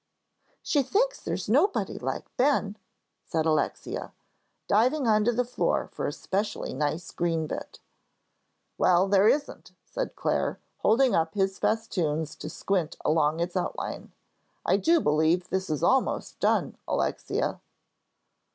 "She thinks there's nobody like Ben," said Alexia, diving on the floor for a specially nice green bit. "Well, there isn't," said Clare, holding up his festoon to squint along its outline. "I do believe this is almost done, Alexia."